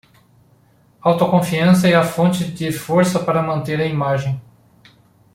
Autoconfiança é a fonte de força para manter a imagem